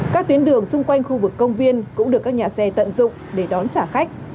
các tuyến đường xung quanh khu vực công viên cũng được các nhà xe tận dụng để đón trả khách